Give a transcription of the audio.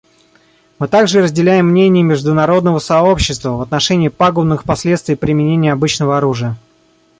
Мы также разделяем мнение международного сообщества в отношении пагубных последствий применения обычного оружия.